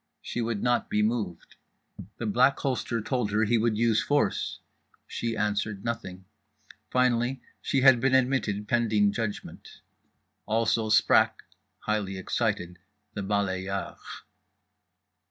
She would not be moved. The Black Holster told her he would use force—she answered nothing. Finally she had been admitted pending judgment. Also sprach, highly excited, the balayeur.